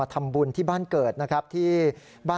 ทางครอบครัวอโหสิกรรมให้แต่ไม่ขอรับการขอขมา